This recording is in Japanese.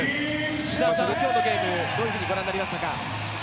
福澤さん、今日のゲームどうご覧になりましたか？